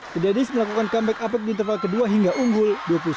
kedadis melakukan comeback up di interval kedua hingga unggul dua puluh satu sembilan belas